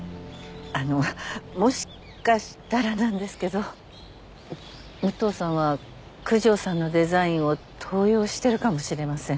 あのもしかしたらなんですけど武藤さんは九条さんのデザインを盗用してるかもしれません。